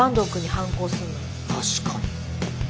確かに。